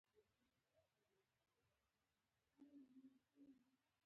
ما د هر غم او درد منظر انځور کړی دی